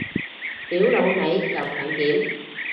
屌老味又強檢